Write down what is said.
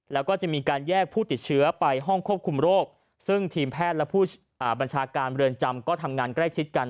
แล้วก็จะมีการแยกผู้ติดเชื้อไปห้องควบคุมโรคซึ่งทีมแพทย์และผู้บัญชาการเรือนจำก็ทำงานใกล้ชิดกัน